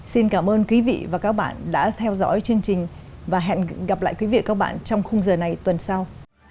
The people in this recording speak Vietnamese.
xin cảm ơn quý vị và các bạn đã theo dõi chương trình và hẹn gặp lại quý vị và các bạn trong khung giờ này tuần sau